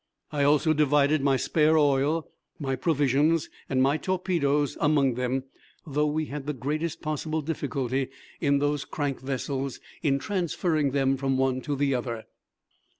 I also divided my spare oil, my provisions, and my torpedoes among them, though we had the greatest possible difficulty in those crank vessels in transferring them from one to the other.